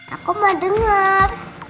aku mau denger